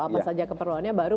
apa saja keperluannya baru